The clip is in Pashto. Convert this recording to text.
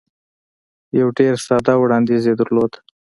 یو ډېر ساده وړاندیز یې درلود.